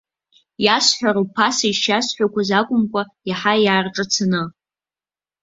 Иасҳәароуп, ԥаса ишиасҳәақәоз акәымкәа, иаҳа иаарҿацаны.